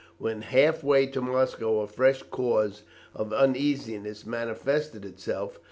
When half way to Moscow a fresh cause of uneasiness manifested itself.